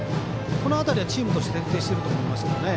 この辺りはチームとして徹底していると思いますね。